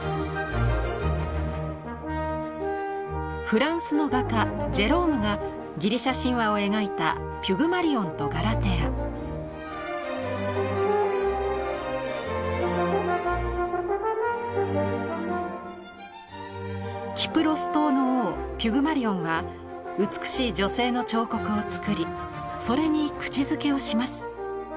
フランスの画家ジェロームがギリシャ神話を描いたキプロス島の王ピュグマリオンは美しい女性の彫刻を作りそれに口づけをします。